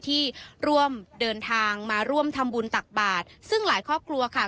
ที่ร่วมเดินทางมาร่วมทำบุญตักบาทซึ่งหลายครอบครัวค่ะ